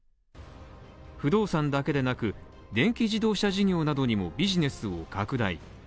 不動産だけでなく、電気自動車事業などにもビジネスを拡大。